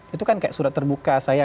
itu kan kayak surat terbuka saya